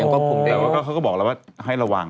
ควบคุมได้อยู่แต่ว่าเขาก็บอกเราว่าให้ระวัง